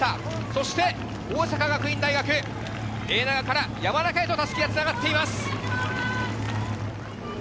そして大阪学院大学、永長から山中へと襷が繋がっています。